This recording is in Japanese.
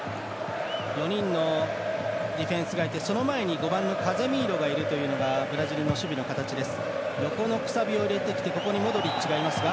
４人のディフェンスがいてその前に５番のカゼミーロがいるというのがブラジルの守備の形です。